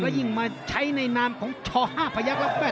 และยิ่งมาใช้ในนามของช่อ๕พยักษ์ลักษณ์